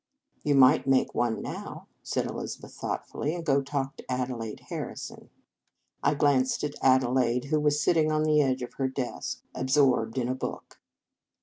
" You might make one now," said Elizabeth thoughtfully, " and go talk to Adelaide Harrison." I glanced at Adelaide, who was sitting on the edge of her desk, ab 205 In Our Convent Days sorbed in a book.